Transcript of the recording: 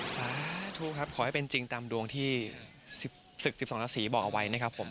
สาธุครับขอให้เป็นจริงตามดวงที่ศึก๑๒ราศีบอกเอาไว้นะครับผม